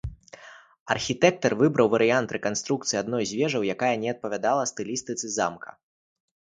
Архітэктар выбраў варыянт рэканструкцыі адной з вежаў, якая не адпавядала стылістыцы замка.